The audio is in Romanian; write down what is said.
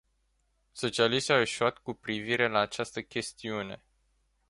Socialiștii au eșuat cu privire la această chestiune.